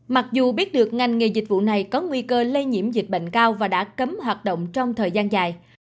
mặc dù biết được ngành nghề dịch vụ này có nguy cơ lây nhiễm dịch bệnh cao và đã cấm hoạt động trong thời gian dài